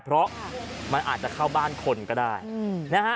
เพราะมันอาจจะเข้าบ้านคนก็ได้นะฮะ